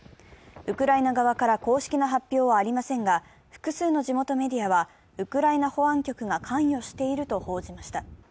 ウクライナ側から公式な発表はありませんが、複数の地元メディアは、ウクライナ保安局が関与していると報じました。